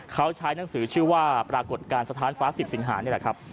เขาใช้หนังสือชื่อว่าปรากฏการณ์สถานฟ้า๑๐สิงหานี่แหละครับ